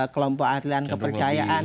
kelompok arilan kepercayaan